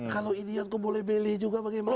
kalau idiot kok boleh beli juga bagaimana